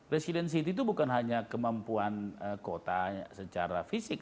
resiliensi itu bukan hanya kemampuan kotanya secara fisik